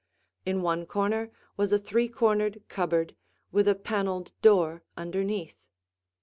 In one corner was a three cornered cupboard with a paneled door underneath.